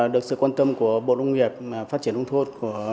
được sự quan tâm của bộ nông nghiệp phát triển nông thôn